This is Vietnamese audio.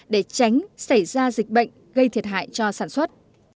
để tránh xảy ra dịch bệnh gây thiệt hại cho sản xuất